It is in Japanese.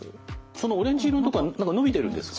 そのオレンジ色のとこは何か伸びてるんですか？